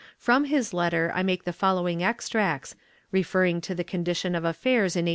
From his letter I make the following extracts, referring to the condition of affairs in 1865.